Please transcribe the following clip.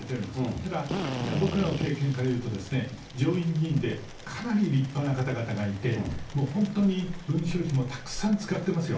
ただ、僕らの経験からいうとですね、上院議員でかなり立派な方々がいて、もう本当に文書費もたくさん使ってますよ。